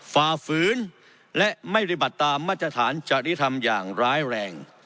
ฝ่าฝืนและไม่ปฏิบัติตามมาตรฐานจริธรรมอย่างร้ายแรง